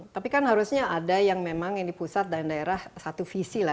tapi kan harusnya ada yang memang ini pusat dan daerah satu visi lah